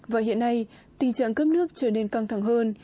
và hiện nay tình trạng cấp nước trở nên căng thẳng hơn